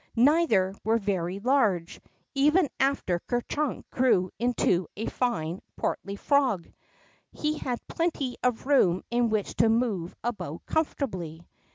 Keither were very large, but even after Ker Chunk grew into a fine, portly frog, he had THE ROCK FROG 17 plenty of room in which to move about comfort ably.